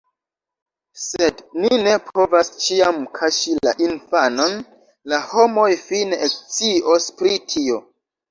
Sed ni ne povas ĉiam kaŝi la infanon, la homoj fine ekscios pri tio...